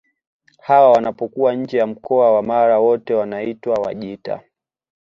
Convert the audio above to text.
Hawa wanapokuwa nje ya mkoa wa Mara wote wanaitwa Wajita